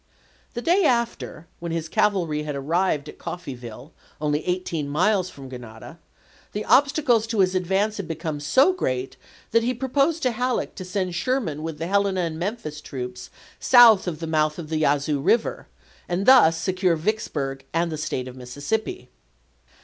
The day after, when his cavalry had arrived at Coffeeville, only eighteen miles from Grenada, the obstacles to his advance had become so great that he proposed to Halleck to send Sherman with the Helena and Memphis troops south of the mouth of the Yazoo River, and thus secure Vicksburg and the State of Mississippi.